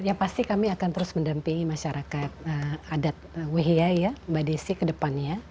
ya pasti kami akan terus mendampingi masyarakat adat wehia ya mbak desi kedepannya